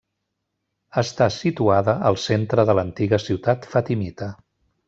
Està situada al centre de l'antiga ciutat fatimita.